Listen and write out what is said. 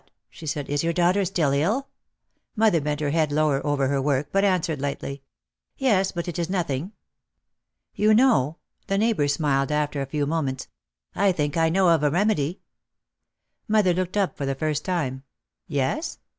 she said, "is your daughter still ill?" Mother bent her head lower over her work but answered lightly, "Yes, but it is nothing." "You know," the neighbour smiled after a few mo ments, "I think I know of a remedy." Mother looked up for the first time. "Yes